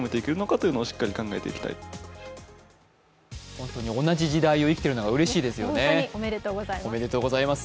本当に同じ時代を生きているのがうれしいですよね、おめでとうございます。